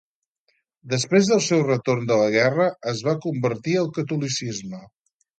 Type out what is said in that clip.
Després del seu retorn de la guerra, es va convertir al catolicisme.